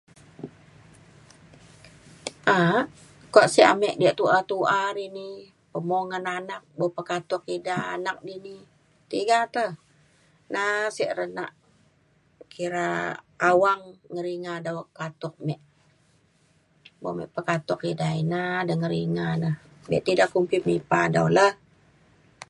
a’ak kuak sek ame diak tu’a tu’a ri ni pemung ngan anak buk pekatuk ida anak dini tiga te na’at sek re nak kira awang ngeringa dau katuk me bo me pekatuk ina da ngeringa na. be te ida kumbi mipa dau la